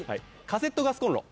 カセットガスコンロ。